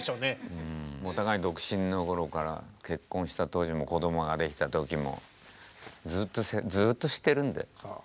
お互いに独身の頃から結婚した当時も子どもができた時もずっと知ってるんで。